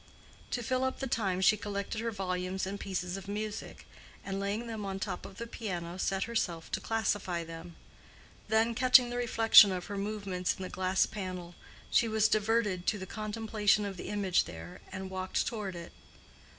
To fill up the time she collected her volumes and pieces of music, and laying them on the top of the piano, set herself to classify them. Then catching the reflection of her movements in the glass panel, she was diverted to the contemplation of the image there and walked toward it.